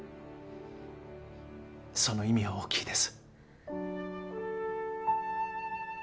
その意味は大きいです。